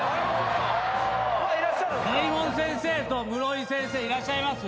大門先生と室井先生いらっしゃいます？